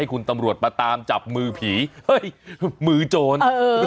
คุณตำรวจมาตามจับมือผีเฮ้ยมือโจร